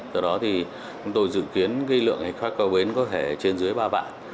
do đó chúng tôi dự kiến lượng hành khách cao bến có thể trên dưới ba vạn